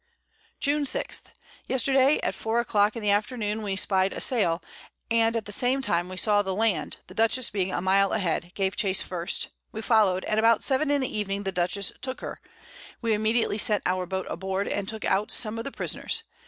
June 6. Yesterday at 4 a Clock in the Afternoon we spied a Sail, and at the same time saw the Land, the Dutchess being a Mile a Head, gave chase first, we followed, and about 7 in the Evening the Dutchess took her; we immediately sent our Boat aboard, and took out some of the Prisoners.